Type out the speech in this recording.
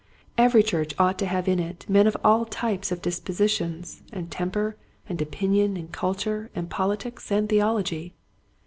Every church ought to have in it men of all types of disposi tion and temper and opinion and culture and politics and theology.